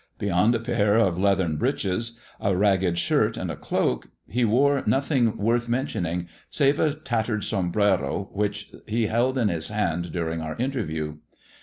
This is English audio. Beyond a pair of leathern breeches, a ragged shirt, and a cloak, he wore nothing worth mentioning save a tattered sombrero, which he held in his hand during our interview.